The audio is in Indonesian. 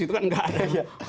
itu kan nggak ada